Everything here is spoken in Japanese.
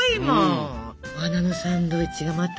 お花のサンドイッチがまた。